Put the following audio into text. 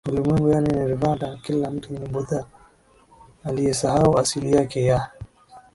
ulimwenguni yaani Nirvana kila mtu ni Buddha aliyesahau asili yake ya